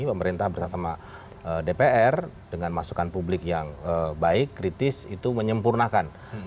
pemerintah bersama dpr dengan masukan publik yang baik kritis itu menyempurnakan